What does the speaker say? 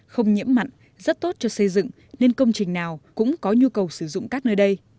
không nhiễm mặn rất tốt cho xây dựng nên công trình nào cũng có nhu cầu sử dụng cát nơi đây